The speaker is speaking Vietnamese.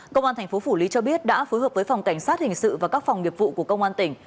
công an thành phố phủ lý cho biết đã phối hợp với phòng cảnh sát hình sự và các phòng nghiệp vụ của công an tỉnh